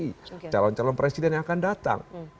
dan juga ada yang akan datang calon calon presiden yang akan datang